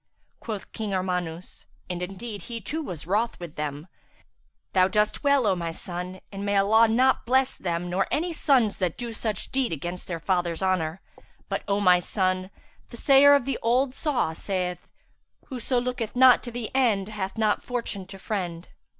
Quoth King Armanus (and indeed he too was wroth with them), "Thou dost well, O my son, and may Allah not bless them nor any sons that do such deed against their father's honour. But, O my son, the sayer of the old saw saith, 'Whoso looketh not to the end hath not Fortune to friend.'